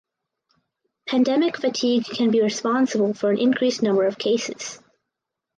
Pandemic fatigue can be responsible for an increased number of cases.